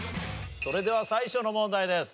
それでは最初の問題です。